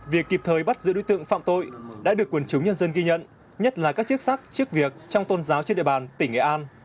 việc kịp thời bắt giữ đối tượng phạm tội đã được quần chúng nhân dân ghi nhận nhất là các chức sắc chức việc trong tôn giáo trên địa bàn tỉnh nghệ an